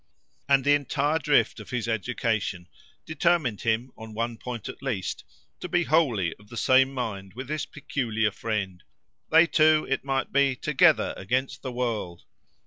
And the entire drift of his education determined him, on one point at least, to be wholly of the same mind with this peculiar friend (they two, it might be, together, against the world!)